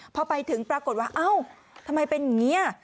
พอไปถึงปรากฏว่าเอ้าทำไมเป็นอย่างนี้